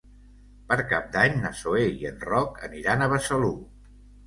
Per Cap d'Any na Zoè i en Roc aniran a Besalú.